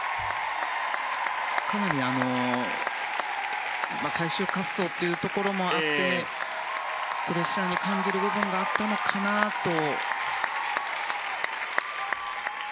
かなり最終滑走というところもあってプレッシャーに感じる部分があったのかなと。